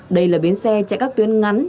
đây là bến xe chạy các tuyến ngắn